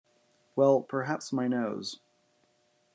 Well, perhaps my nose.